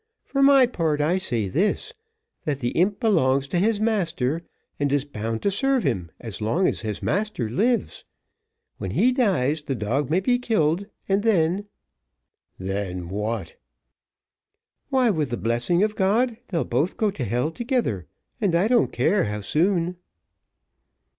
For my part, I say this, that the imp belongs to his master, and is bound to serve him as long as his master lives. When he dies the dog may be killed, and then " "Then what?" "Why, with the blessing of God, they'll both go to hell together, and I don't care how soon."